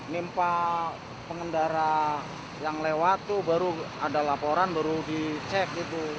nimpa pengendara yang lewat itu baru ada laporan baru dicek gitu